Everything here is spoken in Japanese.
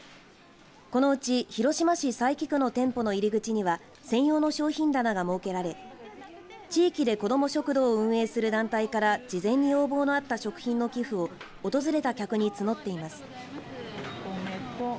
このうち広島市佐伯区の店舗の入り口には専用の商品棚が設けられ地域で子ども食堂を運営する団体から事前に要望のあった食品の寄付を訪れた客につのっています。